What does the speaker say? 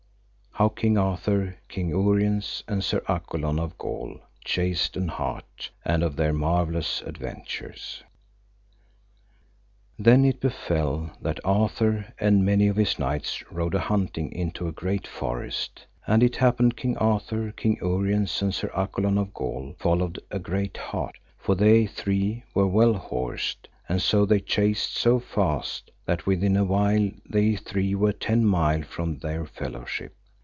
How King Arthur, King Uriens, and Sir Accolon of Gaul, chased an hart, and of their marvellous adventures. Then it befell that Arthur and many of his knights rode a hunting into a great forest, and it happed King Arthur, King Uriens, and Sir Accolon of Gaul, followed a great hart, for they three were well horsed, and so they chased so fast that within a while they three were then ten mile from their fellowship.